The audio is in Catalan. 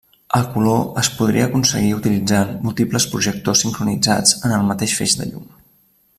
El color es podria aconseguir utilitzant múltiples projectors sincronitzats en el mateix feix de llum.